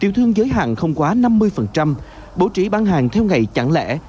điều thương giới hạn không quá năm mươi bổ trí bán hàng theo ngày chẳng lẽ